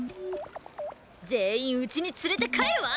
全員うちに連れて帰るわ！